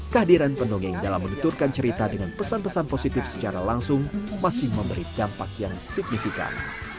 kehadiran pendongeng dalam menuturkan cerita dengan pesan pesan positif secara langsung masih memberi dampak yang signifikan